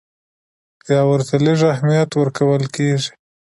یا ورته لږ اهمیت ورکول کېږي.